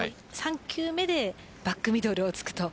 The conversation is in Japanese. ３球目でバックミドルを突くと。